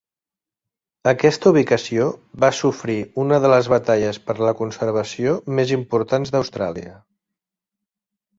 Aquesta ubicació va sofrir una de les batalles per la conservació més importants d'Austràlia.